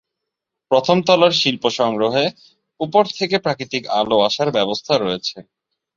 প্রথম তলার শিল্প সংগ্রহে, উপর থেকে প্রাকৃতিক আলো আসার ব্যবস্থা রয়েছে।